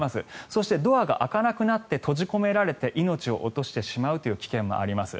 そして、ドアが開かなくなって閉じ込められて命を落としてしまう危険もあります。